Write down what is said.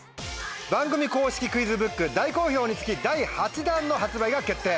番組公式クイズブック大好評につき第８弾の発売が決定。